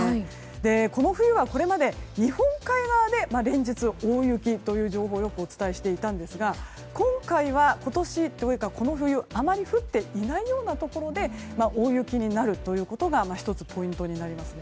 この冬はこれまで日本海側で連日大雪という情報をよくお伝えしていたんですが今回は今年、この冬あまり降っていないようなところで大雪になるというところが１つポイントになりますね。